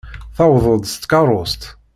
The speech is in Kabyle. Tuweḍ-d s tkeṛṛust.